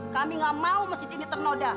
kami gak mau masjid ini ternoda